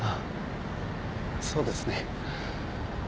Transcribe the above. そうですね。